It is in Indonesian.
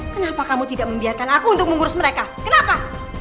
kenapa kamu tidak membiarkan aku untuk mengurus mereka kenapa